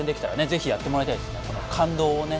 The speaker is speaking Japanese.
ぜひやってもらいたいですね。